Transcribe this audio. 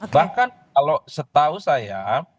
bahkan kalau setahu saya